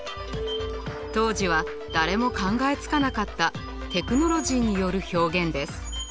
当時は誰も考えつかなかったテクノロジーによる表現です。